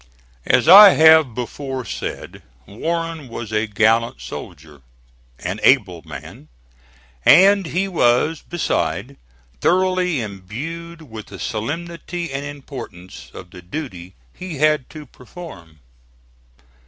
As I have before said, Warren was a gallant soldier, an able man; and he was beside thoroughly imbued with the solemnity and importance of the duty he had to perform.